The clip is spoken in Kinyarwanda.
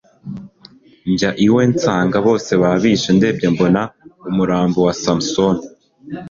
njya iwe nsanga bose babishe, ndebye mbona umurambo wa samson